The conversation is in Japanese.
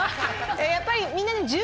やっぱりみんな。